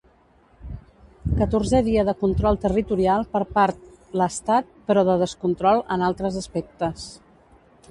Catorzè dia de control territorial per part l'estat però de descontrol en altres aspectes.